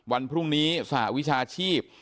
วันพรุ่งนี้สหวิชาชีพ